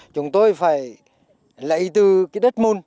chúng tôi phải lấy từ đất môn